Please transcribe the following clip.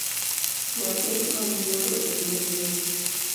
Nyathi maioro emayieng’